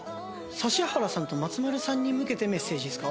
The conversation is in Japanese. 指原さんと松丸さんに向けてメッセージですか？